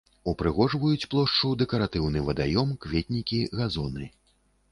Упрыгожваюць плошчу дэкаратыўны вадаём, кветнікі, газоны.